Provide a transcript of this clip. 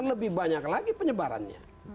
lebih banyak lagi penyebarannya